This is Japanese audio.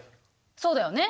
そうだよね。